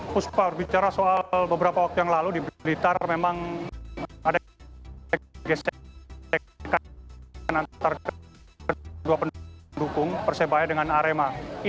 puspa berbicara soal beberapa waktu yang lalu di blitar memang ada gesekan antara kedua pendukung persebaya dengan arema